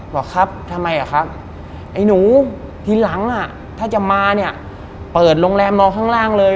บอกครับทำไมอ่ะครับไอ้หนูทีหลังอ่ะถ้าจะมาเนี่ยเปิดโรงแรมมองข้างล่างเลย